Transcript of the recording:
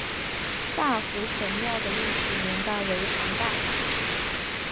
大湖神庙的历史年代为唐代。